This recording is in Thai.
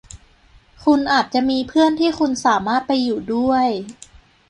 คุณอาจจะมีเพื่อนที่คุณสามารถไปอยู่ด้วย